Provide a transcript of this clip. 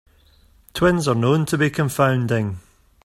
Twins are known to be confounding.